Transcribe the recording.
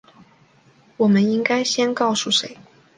我们应该先告诉谁？